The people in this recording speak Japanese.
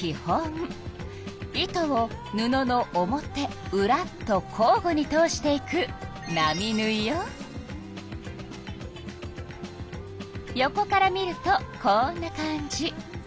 糸を布の表うらと交ごに通していく横から見るとこんな感じ。